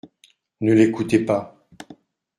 Ne l’écoutez pas.